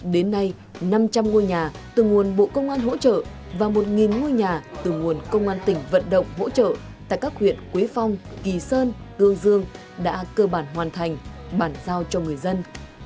đến nay năm trăm linh ngôi nhà từ nguồn bộ công an hỗ trợ và một ngôi nhà từ nguồn công an tỉnh vận động hỗ trợ tại các huyện quế phong kỳ sơn tương dương đã cơ bản hoàn thành bản giao cho người dân